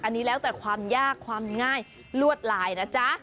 อันนี้แล้วแต่ความยากความง่ายลวดลายนะจ๊ะ